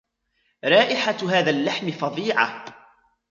رائحة هذا اللحم فظيعة.